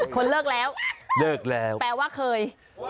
คนเลิกแล้วแปลว่าเคย